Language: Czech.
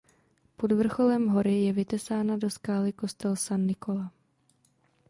Pod vrcholem hory je vytesán do skály kostel San Nicola.